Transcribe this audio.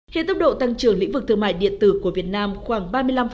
hiện tốc độ tăng trưởng lĩnh vực thương mại điện tử của việt nam khoảng ba mươi năm